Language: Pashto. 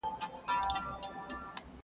خدای مي تاج وو پر تندي باندي لیکلی!